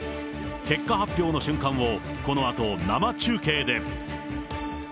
結果発表の瞬間を、このあと生中継で。